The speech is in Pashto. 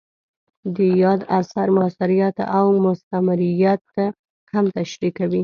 د یاد اثر مؤثریت او مثمریت هم تشریح کوي.